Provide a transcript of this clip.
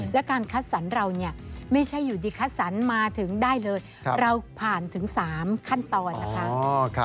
และการคัดสรรเราเนี่ยไม่ใช่อยู่ดีคัดสรรมาถึงได้เลยเราผ่านถึง๓ขั้นตอนนะคะ